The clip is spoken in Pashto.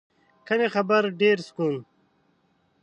کمې خبرې، ډېر سکون.